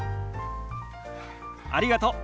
ありがとう。